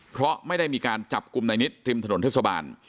เพราะไม่ได้มีการจับกลุ่มนายนิดริมถนนเทศบาล